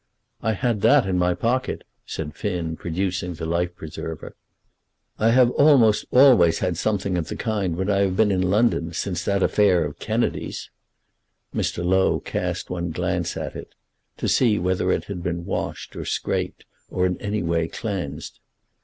"I had that in my pocket," said Finn, producing the life preserver. "I have almost always had something of the kind when I have been in London, since that affair of Kennedy's." Mr. Low cast one glance at it, to see whether it had been washed or scraped, or in any way cleansed.